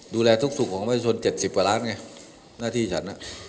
ดูแลทุกศุกร์ของว่าชนเจ็ดสิบกว่าล้านไงหน้าที่ฉันอ่ะ